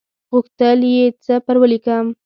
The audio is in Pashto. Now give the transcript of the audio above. غوښتل یې څه پر ولیکم.